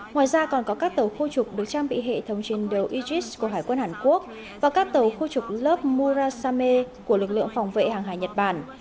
ngoài ra còn có các tàu khu trục được trang bị hệ thống trên đều aegis của hải quân hàn quốc và các tàu khu trục lớp murasame của lực lượng phòng vệ hàng hải nhật bản